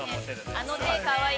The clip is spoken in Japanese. ◆あの手かわいい。